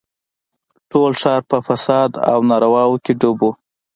ټول ښار په فساد او نارواوو کښې ډوب و.